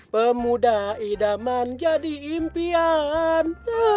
pemuda idaman jadi impian